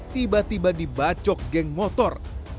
tiba tiba dibacok geng motor